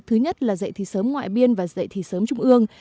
thứ nhất là dạy thì sớm ngoại biên và dạy thì sớm trung ương